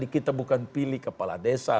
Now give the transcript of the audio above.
kita bukan pilih kepala desa